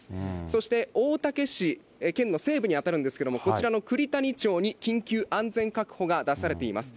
そして、大竹市、県の西部に当たるんですけれども、こちらの栗谷町に緊急安全確保が出されています。